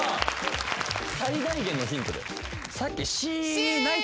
最大限のヒントだよ